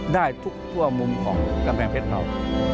ได้ทุกทั่วมุมของกำแพงเพชรเรา